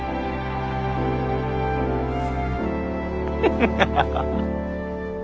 ハハハハ！